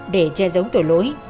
để che giống tội lỗi